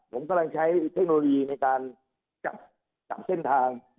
ผมกำลังใช้เทคโนโลยีในการจับเส้นทาง